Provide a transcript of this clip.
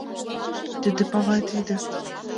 — Тиде, павай, тиде...